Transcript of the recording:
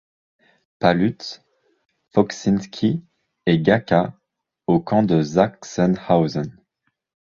Palluth, Fokczyński et Gaca, au camp de Sachsenhausen.